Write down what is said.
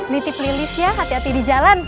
nitip lilisnya hati hati di jalan